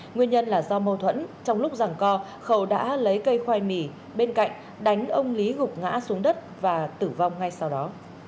nguyên nhân là do mâu thuẫn trong lúc rằng co khẩu đã lấy cây khoai mì bên cạnh đánh ông lý gục ngã xuống đất và tử vong ngay sau đó